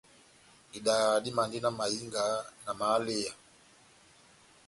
Idaha dimandi na mahinga, na mahaleya.